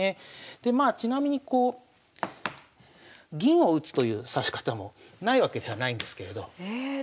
でまあちなみにこう銀を打つという指し方もないわけではないんですけれど。え。